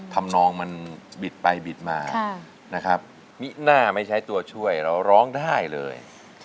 ทำนองมันบิดไปบิดมานะครับมิน่าไม่ใช้ตัวช่วยเราร้องได้เลย